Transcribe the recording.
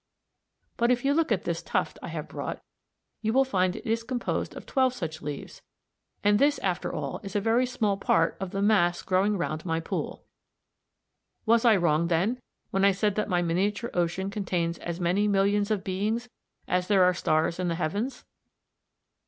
But if you look at this tuft I have brought, you will find it is composed of twelve such leaves, and this after all is a very small part of the mass growing round my pool. Was I wrong, then, when I said that my miniature ocean contains as many millions of beings as there are stars in the heavens?